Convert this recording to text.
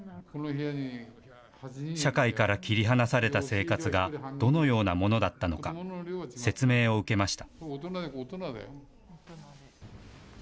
社会から切り離された生活がどのようなものだったのか、説明を受けました。